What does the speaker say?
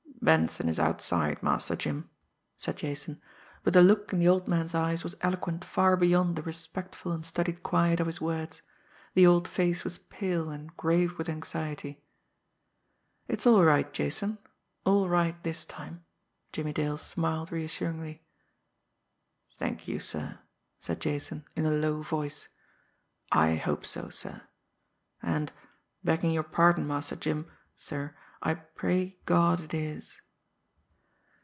"Benson is outside, Master Jim," said Jason; but the look in the old man's eyes was eloquent far beyond the respectful and studied quiet of his words. The old face was pale and grave with anxiety. "It's all right, Jason all right this time," Jimmie Dale smiled reassuringly. "Thank you, sir," said Jason, in a low voice. "I hope so, sir. And, begging your pardon, Master Jim, sir, I pray God it is."